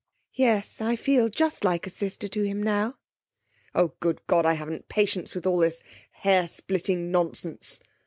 Yes. I feel just like a sister to him now.' 'Oh, good God! I haven't patience with all this hair splitting nonsense.